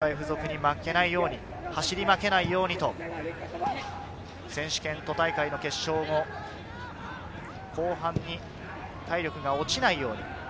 一方、堀越高校は走り負けないようにと、選手権、都大会の決勝後、後半に体力が落ちないように。